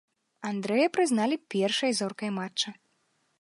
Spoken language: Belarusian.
Андрэя прызналі першай зоркай матча.